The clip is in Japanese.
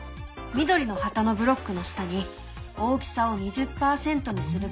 緑の旗のブロックの下に「大きさを２０％にする」